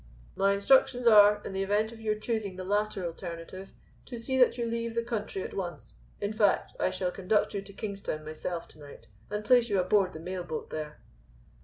"My instructions are, in the event of your choosing the latter alternative, to see that you leave the country at once. In fact, I shall conduct you to Kingstown myself to night, and place you aboard the mail boat there."